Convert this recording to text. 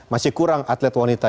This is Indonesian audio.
masih kurang atlet wanita